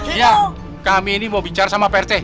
iya kami ini mau bicara sama pak rt